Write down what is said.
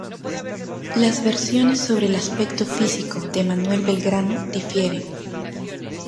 Las versiones sobre el aspecto físico de Manuel Belgrano difieren.